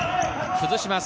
崩します。